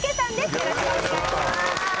よろしくお願いします。